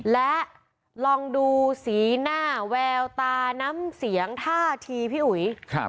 และลองดูสีหน้าแววตาน้ำเสียงท่าทีพี่อุ๋ย